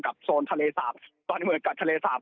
กับโซนทะเลสาพตอนนี้เหมือนกับทะเลสาพ